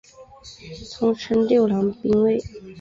通称六郎兵卫。